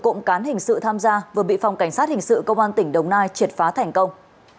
cộng cán hình sự tham gia vừa bị phòng cảnh sát hình sự công an tỉnh đồng nai triệt phá thành công